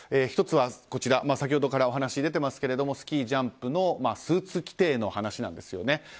１つは、先ほどからお話に出てますけれどもスキージャンプのスーツ規定の話なんですね。